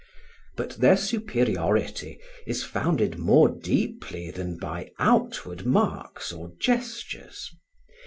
But their superiority is founded more deeply than by outward marks or gestures.